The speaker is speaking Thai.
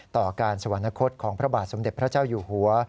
ต่อการสวรรคตของพระบาทสมเด็จพระเจ้าอยู่หัว